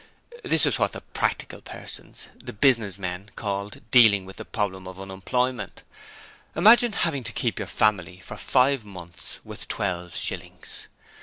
This was what the 'practical' persons, the 'business men', called 'dealing with the problem of unemployment'. Imagine having to keep your family for five months with twelve shillings!